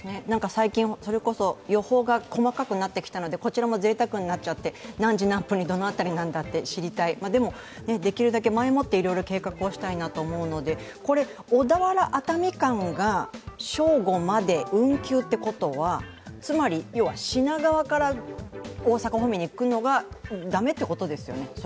最近、それこそ予報が細かくなってきたので、こちらもぜいたくになっちゃって何時何分にどこあたりにいるんだと、知りたい、でも、できるだけ前もっていろいろ計画したいと思うので、これ、小田原−熱海間が正午まで運休というこはつまり要は品川から大阪方面に行くのが駄目ということですよね？